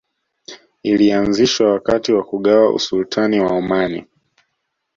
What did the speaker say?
Ilianzishwa wakati wa kugawa Usultani wa Omani